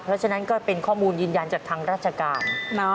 เพราะฉะนั้นก็เป็นข้อมูลยืนยันจากทางราชการ